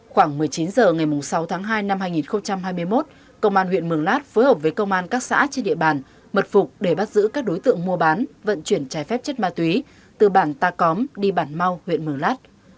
khoảng một mươi chín h ngày sáu tháng hai năm hai nghìn hai mươi một công an huyện mường lát phối hợp với công an các xã trên địa bàn mật phục để bắt giữ các đối tượng mua bán vận chuyển trái phép chất ma túy từ bản ta cóm đi bản mau huyện mường lát